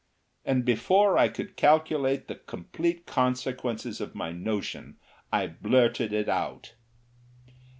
And before I could calculate the complete consequences of my notion I blurted it out.